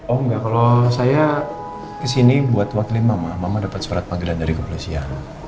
oh enggak kalau saya kesini buat wakil mama mama dapat surat panggilan dari kepolisian